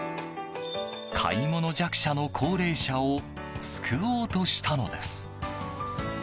買い物弱者の高齢者を救おうとしたのです。